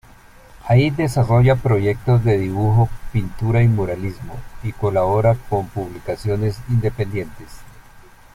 Ahí desarrolla proyectos de dibujo, pintura y muralismo, y colabora con publicaciones independientes.